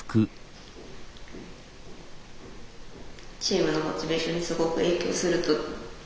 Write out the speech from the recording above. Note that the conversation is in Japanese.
チームのモチベーションにすごく影響すると思うので。